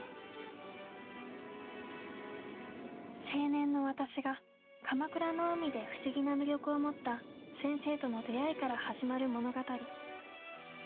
青年の私が鎌倉の海で不思議な魅力を持った先生との出会いから始まる物語。